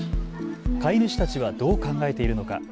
飼い主たちはどう考えているのか。